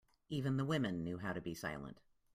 Even the women knew how to be silent.